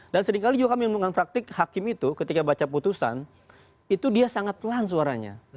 dan seringkali juga kami yang menggunakan praktik hakim itu ketika baca putusan itu dia sangat pelan suaranya